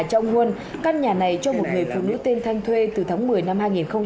cho ông nguân căn nhà này cho một người phụ nữ tên thanh thuê từ tháng một mươi năm hai nghìn một mươi tám